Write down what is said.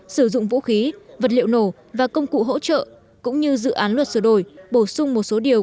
sử dụng vũ khí vật liệu nổ và công cụ hỗ trợ cũng như dự án luật sửa đổi bổ sung một số điều